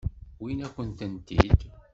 Wwint-akent-tent-id.